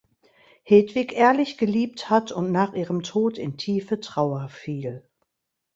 Hedwig ehrlich geliebt hat und nach ihrem Tod in tiefe Trauer fiel.